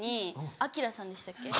アキラさんでしたっけ？